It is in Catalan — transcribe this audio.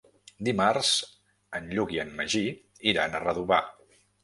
Dimarts en Lluc i en Magí iran a Redovà.